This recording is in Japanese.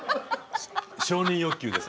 承認欲求です